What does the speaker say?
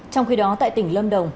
trong khi đó tại tỉnh lâm đồng